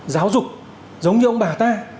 giáo dục giống như ông bà ta